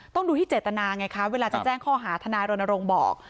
ต้องดูที่เจตนาไงคะเวลาจะแจ้งข้อหาทนายรณรงค์บอก